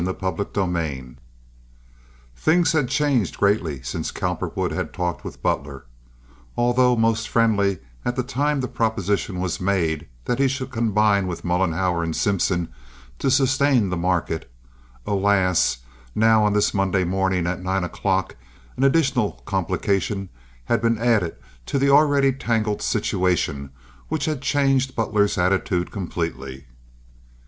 Chapter XXVI Things had changed greatly since last Cowperwood had talked with Butler. Although most friendly at the time the proposition was made that he should combine with Mollenhauer and Simpson to sustain the market, alas, now on this Monday morning at nine o'clock, an additional complication had been added to the already tangled situation which had changed Butler's attitude completely.